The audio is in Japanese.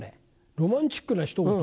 ロマンチックなひと言？